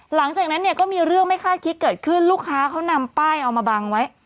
หลังจากนั้นเนี่ยก็มีเรื่องไม่คาดคิดเกิดขึ้นลูกค้าเขานำป้ายเอามาบังไว้